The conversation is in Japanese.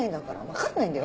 分かんないの。